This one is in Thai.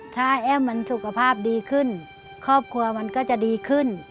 ถ้าแอ้มมันสุขภาพดีขึ้นครอบครัวมันก็จะดีขึ้น